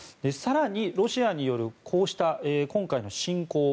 更に、ロシアによるこうした今回の侵攻